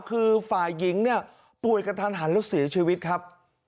คือฝ่ายิงป่วยกันทันทันแล้วสิ้นชีวิตครับ